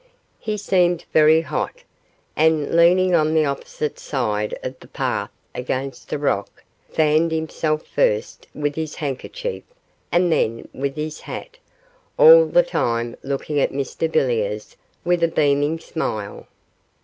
He seemed very hot, and, leaning on the opposite side of the path against a rock, fanned himself first with his handkerchief and then with his hat, all the time looking at Mr Villiers with a beaming smile.